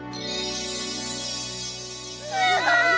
すごい！